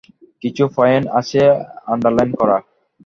কিছু পয়েন্টস আছে আন্ডারলাইন করা।